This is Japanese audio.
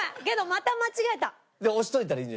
けどまた間違えた。